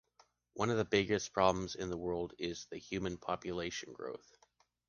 One of the biggest problems in the world is the human population growth.